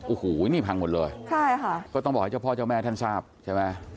โอ้โหนี่พังหมดเลยใช่ค่ะก็ต้องบอกให้เจ้าพ่อเจ้าแม่ท่านทราบใช่ไหม